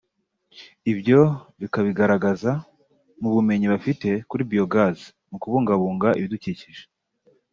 Ibyo bakabigaragaza mu bumenyi bafite kuri biogas mu kubungabunga ibidukikije